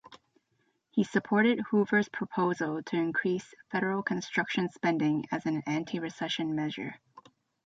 He supported Hoover's proposal to increase federal construction spending as an antirecession measure.